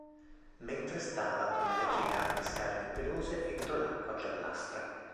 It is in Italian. Mentre stava con le vecchie gambe scarne e pelose entro l'acqua giallastra.